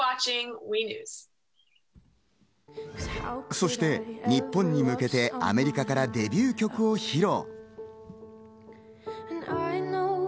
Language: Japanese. そして日本に向けてアメリカからデビュー曲を披露。